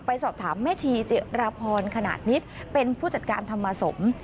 ไปสอบถามแม่ชีจิรพรขนาดนิดเป็นผู้จัดการธรรมสม